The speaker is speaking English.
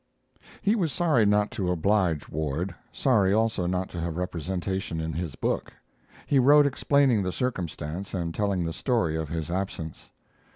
He was sorry not to oblige Ward, sorry also not to have representation in his book. He wrote explaining the circumstance, and telling the story of his absence.